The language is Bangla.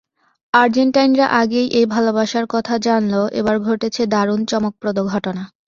আর্জেন্টাইনরা আগেই এই ভালোবাসার কথা জানলেও এবার ঘটেছে দারুণ চমকপ্রদ ঘটনা।